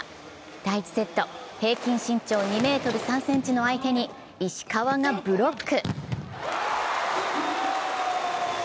第１セット、平均身長２ｍ３ｃｍの相手に石川がブロック。